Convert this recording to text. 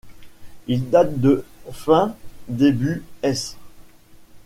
Il date de fin - début s.